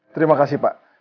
terima kasih pak